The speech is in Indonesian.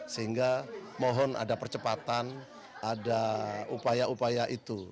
sehingga mohon ada percepatan ada upaya upaya itu